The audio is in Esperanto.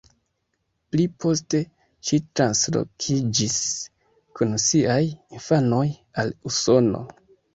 Pli poste, ŝi translokiĝis kun siaj infanoj al Usono.